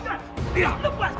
sudah merawat anda